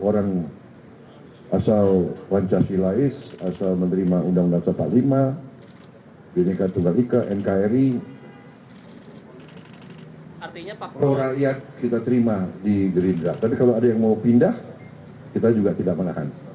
orang rakyat kita terima di gerindra tapi kalau ada yang mau pindah kita juga tidak menahan